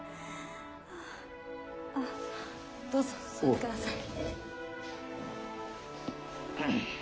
あっどうぞ座ってください。